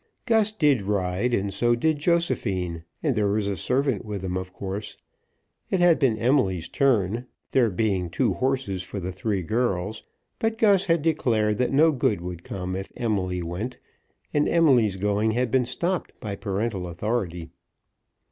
Gus did ride, and so did Josephine, and there was a servant with them of course. It had been Emily's turn, there being two horses for the three girls; but Gus had declared that no good could come if Emily went; and Emily's going had been stopped by parental authority.